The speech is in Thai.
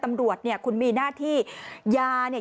ตำรวจเนี่ยคุณมีหน้าที่ยาเนี่ย